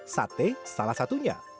sate salah satunya